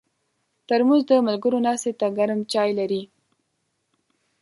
ترموز د ملګرو ناستې ته ګرم چای لري.